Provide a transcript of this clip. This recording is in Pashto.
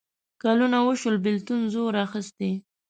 کلونه وشول بېلتون زور اخیستی.